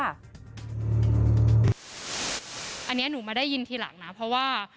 อันนี้หนูมาได้ยินทีหลังนะเพราะว่า